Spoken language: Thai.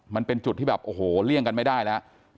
มันเป็นจุดที่แบบโอ้โหเลี่ยงกันไม่ได้แล้ว